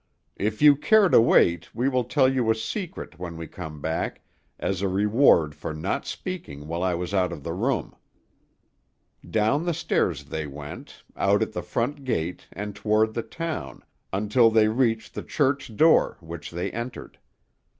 "If you care to wait, we will tell you a secret when we come back, as a reward for not speaking while I was out of the room." Down the stairs they went, out at the front gate, and toward the town, until they reached the church door, which they entered.